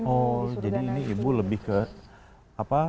oh jadi ini ibu lebih ke apa